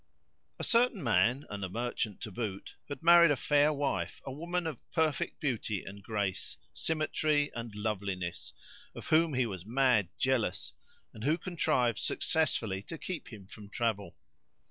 [FN#90] A certain man and a merchant to boot had married a fair wife, a woman of perfect beauty and grace, symmetry and loveliness, of whom he was mad jealous, and who contrived successfully to keep him from travel.